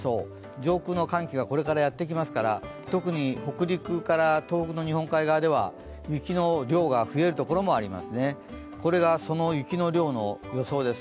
上空の寒気がこれからやってきますから、特に北陸から東北の日本海側では雪の量が増える所もありますね、これがその雪の量の予想です。